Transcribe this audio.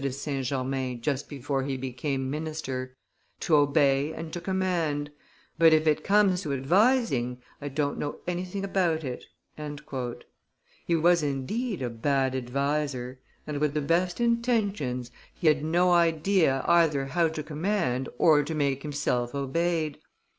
de St. Germain just before he became minister, "to obey and to command; but, if it comes to advising, I don't know anything about it." He was, indeed, a bad adviser; and with the best intentions he had no idea either how to command or how to make himself obeyed.